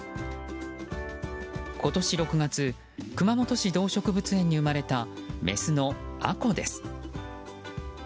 今年６月熊本市動植物園に生まれたメスの杏香です。